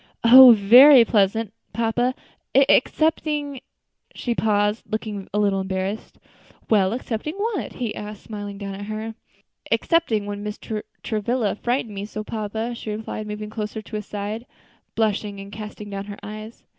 "Oh! very pleasant, papa, excepting " She paused, looking a little embarrassed. "Well, excepting what?" he asked, smiling down at her. "Excepting when Mr. Travilla frightened me so, papa," she replied, moving closer to his side, blushing and casting down her eyes.